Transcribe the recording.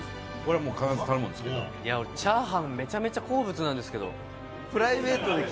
俺チャーハンめちゃめちゃ好物なんですけど。